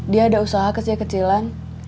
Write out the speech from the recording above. dia ada usaha kecil kecilan